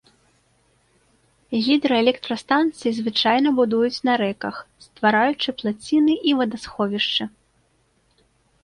Гідраэлектрастанцыі звычайна будуюць на рэках, ствараючы плаціны і вадасховішчы.